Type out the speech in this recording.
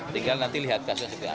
tinggal nanti lihat kasusnya seperti apa